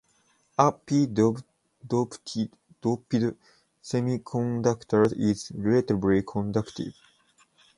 A p-doped semiconductor is relatively conductive.